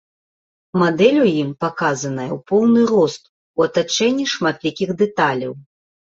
Мадэль у ім паказаная ў поўны рост у атачэнні шматлікіх дэталяў.